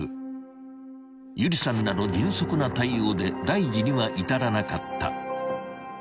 ［有理さんらの迅速な対応で大事には至らなかった］